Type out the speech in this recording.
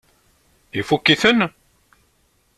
Ifukk-iten?